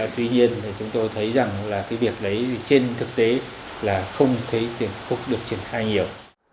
tuy nhiên chúng tôi thấy rằng việc lấy trên thực tế là không thấy tiền thuốc được triển khai nhiều